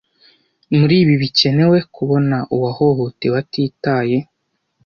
muri ibi bikenewe kubona uwahohotewe atitaye